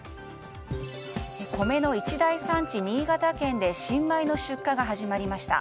米の一大産地・新潟県で新米の出荷が始まりました。